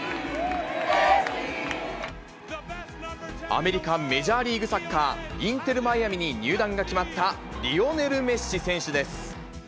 アメリカメジャーリーグサッカー・インテル・マイアミに入団が決まったリオネル・メッシ選手です。